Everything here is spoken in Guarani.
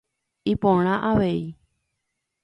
Iporã avei.